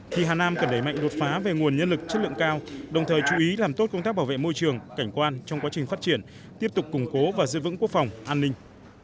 thì hà nam cần đẩy mạnh đột phá về nguồn nhân lực chất lượng cao đồng thời chú ý làm tốt công tác bảo vệ môi trường cảnh quan trong quá trình phát triển tiếp tục củng cố và giữ vững quốc phòng an ninh